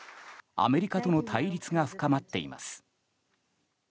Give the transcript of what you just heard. アメリカとの対立が深まっています。